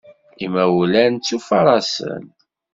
Imawlan ttufaṛasen.